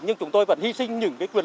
nhưng chúng tôi vẫn hy sinh những quyền